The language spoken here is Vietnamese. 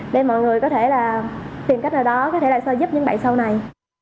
để mọi người có thể là tìm cách nào đó có thể là sao giúp những bạn sau này